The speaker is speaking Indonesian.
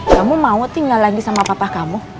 kamu mau tinggal lagi sama papa kamu